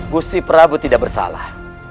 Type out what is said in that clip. gusti prabu tidak bersalah